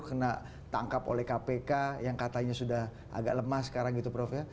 kena tangkap oleh kpk yang katanya sudah agak lemah sekarang gitu prof ya